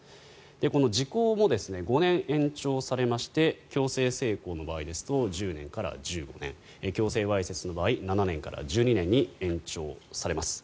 この時効も、５年延長されまして強制性交の場合ですと１０年から１５年強制わいせつの場合７年から１２年に延長されます。